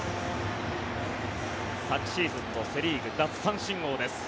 昨シーズンのセ・リーグ奪三振王です。